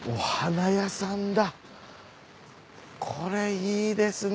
これいいですね。